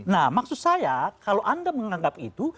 nah maksud saya kalau anda menganggap itu